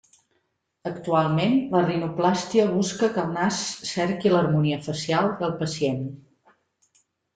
Actualment la rinoplàstia busca que el nas cerqui l'harmonia facial del pacient.